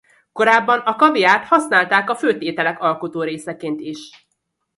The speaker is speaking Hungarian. Korábban a kaviárt használták a főtt ételek alkotórészeként is.